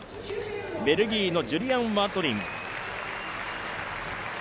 ベルギーのジュリアン・ワトリン。